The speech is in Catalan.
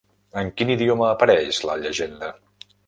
En quin idioma apareix la llegenda?